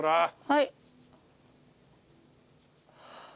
はい。